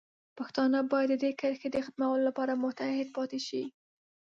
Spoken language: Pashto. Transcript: پښتانه باید د دې کرښې د ختمولو لپاره متحد پاتې شي.